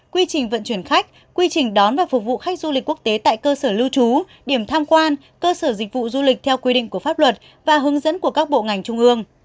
quy trình vận chuyển khách quy trình đón và phục vụ khách du lịch quốc tế tại cơ sở lưu trú điểm tham quan cơ sở dịch vụ du lịch theo quy định của pháp luật và hướng dẫn của các bộ ngành trung ương